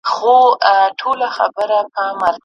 څوك به نيسي ګرېوانونه د غازيانو